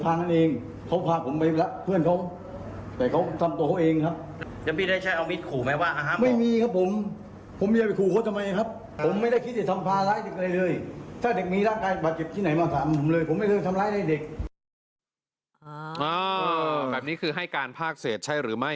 อันนี้คือให้การภาคเศษใช่หรือไม่